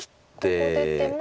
ここ出ても。